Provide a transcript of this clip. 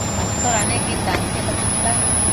Atoda queque tantia tita